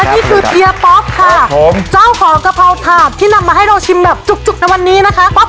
นี่คือเฮียป๊อปค่ะผมเจ้าของกะเพราถาดที่นำมาให้เราชิมแบบจุกจุกในวันนี้นะคะ